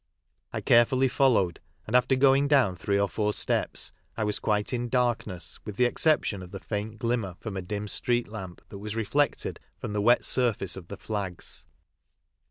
I carefully followed, and after going down three or four steps I was quite in darkness, with the exception of the faint glimmer from a dim street lamp that was reflected from the wet surface of the flags.